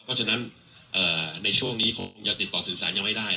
เพราะฉะนั้นในช่วงนี้คงจะติดต่อสื่อสารยังไม่ได้